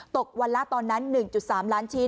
ตกวันละตอนนั้น๑๓ล้านชิ้น